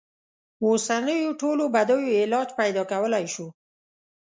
اوسنیو ټولو بدیو علاج پیدا کولای شو.